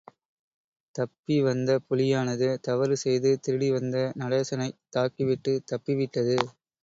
தப்பி வந்த புலியானது, தவறுசெய்து திருடிவந்த நடேசனைத் தாக்கிவிட்டுத் தப்பிவிட்டது.